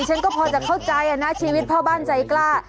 ฉันก็พอจะเข้าใจนะชีวิตพ่อบ้านใจกล้า